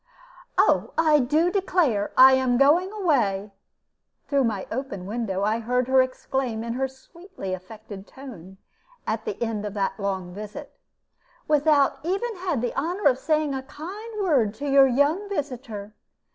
"Oh, I do declare, I am going away," through my open window I heard her exclaim in her sweetly affected tone, at the end of that long visit, "without even having the honor of saying a kind word to your young visitor.